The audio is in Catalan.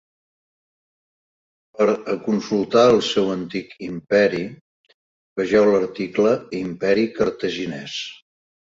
Per a consultar el seu antic imperi, vegeu l'article Imperi cartaginès.